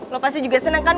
lo pasti juga senang kan